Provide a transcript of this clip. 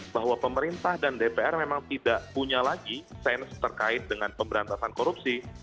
bahwa pemerintah dan dpr memang tidak punya lagi sens terkait dengan pemberantasan korupsi